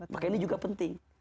maka ini juga penting